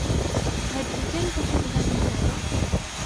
هل بإمكانك حمل هذه العلبة؟